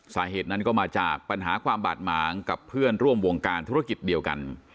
สาเหตุนั้นก็มาจากปัญหาความบาดหมางกับเพื่อนร่วมวงการธุรกิจเดียวกัน